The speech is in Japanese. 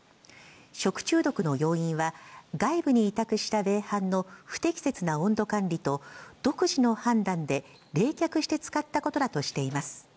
食中毒の要因は、外部に委託した米飯の不適切な温度管理と、独自の判断で冷却して使ったことだとしています。